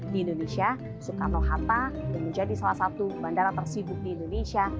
di indonesia soekarno hatta yang menjadi salah satu bandara tersibuk di indonesia